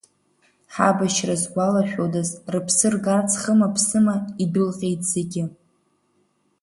Ҳабашьра згәалашәодаз, рыԥсы ргарц хыма-ԥсыма идәылҟьеит зегьы.